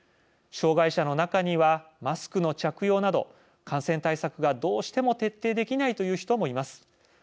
障害者の中にはマスクの着用など感染対策が、どうしても徹底できないという人もいます。